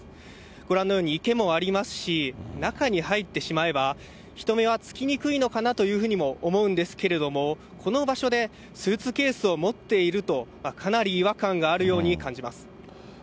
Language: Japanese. ご覧のように池もありますし、中に入ってしまえば、人目はつきにくいのかなというふうにも思うんですけれども、この場所で、スーツケースを持っていると、かなり違和感があるように感じます。